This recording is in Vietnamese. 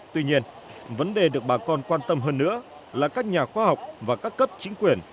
tuy nhiên vấn đề được bà con quan tâm hơn nữa là các nhà khoa học và các cấp chính quyền